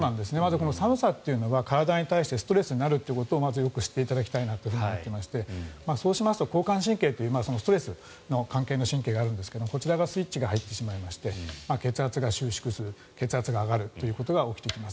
まずこの寒さというのは体に対してストレスになることをまずよく知っていただきたいと思っていましてそうしますと交感神経というストレスの関係の神経があるんですがこちらがスイッチが入ってしまいまして血圧が収縮する血圧が上がるということが起きてきます。